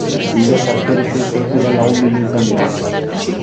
Iaz astero sei zortzi bat lagun bildu izan dira.